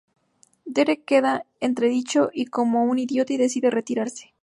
Derek queda en entredicho y como un idiota, y decide retirarse.